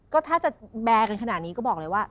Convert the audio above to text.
ก็ถ้าจะแบร์กันขนาดนี้ก็บอกเลยว่า